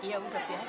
iya udah biasa